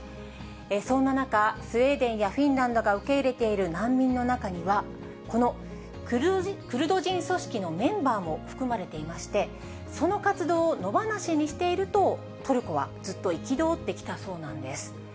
そんな中、スウェーデンやフィンランドが受け入れている難民の中には、このクルド人組織のメンバーも含まれていまして、その活動を野放しにしていると、トルコはずっと憤ってきたそうなんです。